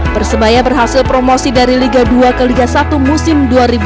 persebaya berhasil promosi dari liga dua ke liga satu musim dua ribu dua puluh